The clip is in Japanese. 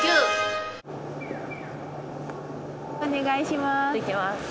お願いします。